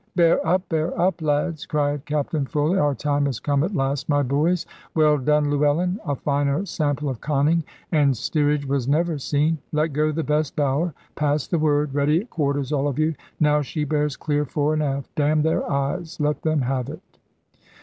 "Bear up, bear up, lads," cried Captain Foley, "our time has come at last, my boys! Well done Llewellyn! A finer sample of conning and steerage was never seen. Let go the best bower. Pass the word. Ready at quarters all of you. Now she bears clear fore and aft. Damn their eyes, let them have it."